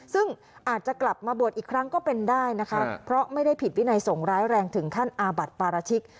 ซึ่งอาจจะกลับมาบวชอีกครั้งก็เป็นได้นะคะเพราะไม่ได้ผิดวินัยส่งร้ายแรงถึงขั้นอาบัติปราชิก